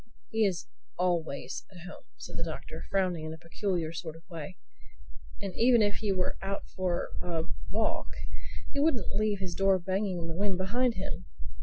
"He is always at home," said the Doctor frowning in a peculiar sort of way. "And even if he were out for a walk he wouldn't leave his door banging in the wind behind him.